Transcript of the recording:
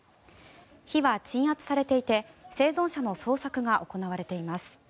火は鎮圧されていて生存者の捜索が行われています。